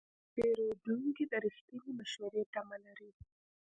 پیرودونکی د رښتینې مشورې تمه لري.